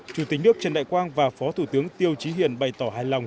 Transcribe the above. chủ tịch nước trần đại quang và phó thủ tướng tiêu chí hiển bày tỏ hài lòng